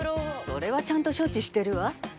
それはちゃんと処置してるわ。